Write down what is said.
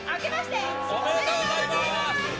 おめでとうございます！